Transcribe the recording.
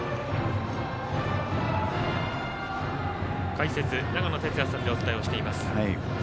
解説、長野哲也さんでお伝えをしています。